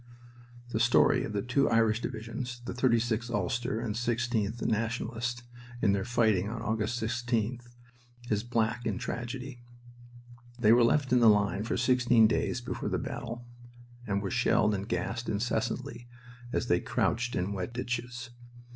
The story of the two Irish divisions the 36th Ulster; and 16th (Nationalist) in their fighting on August 16th is black in tragedy. They were left in the line for sixteen days before the battle and were shelled and gassed incessantly as they crouched in wet ditches.